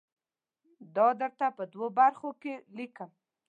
دا درته په دوو برخو کې لیکم.